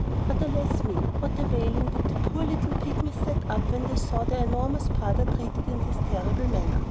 But, alas me! What a wailing did the poor little Pygmies set up when they saw their enormous brother treated in this terrible manner!